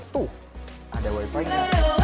tuh ada wifi